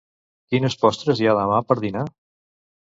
Quines postres hi ha demà per dinar?